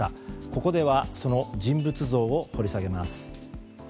ここではその人物像を掘り下げます。